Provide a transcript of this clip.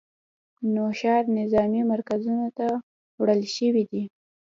نوښار نظامي مرکزونو ته وړل شوي دي